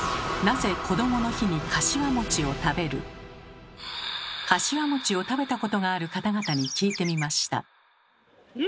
かしわを食べたことがある方々に聞いてみました。